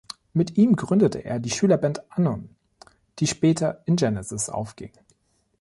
Mit ihm gründete er die Schülerband "Anon", die später in Genesis aufging.